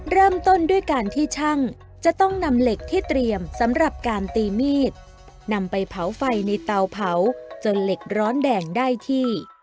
เริ่มต้นด้วยการที่ช่างจะต้องนำเหล็กที่เตรียมสำหรับการตีมีดนำไปเผาไฟในเตาเผาจนเหล็กร้อนแดงได้ที่